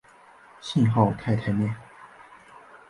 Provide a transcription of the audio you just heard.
信号肽肽链。